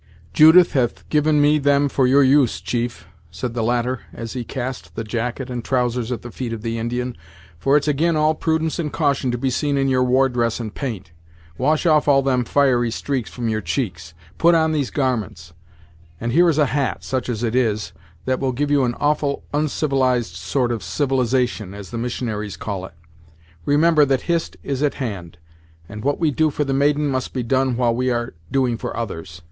"Judith hath given me them for your use, chief," said the latter, as he cast the jacket and trousers at the feet of the Indian, "for it's ag'in all prudence and caution to be seen in your war dress and paint. Wash off all them fiery streaks from your cheeks, put on these garments, and here is a hat, such as it is, that will give you an awful oncivilized sort of civilization, as the missionaries call it. Remember that Hist is at hand, and what we do for the maiden must be done while we are doing for others.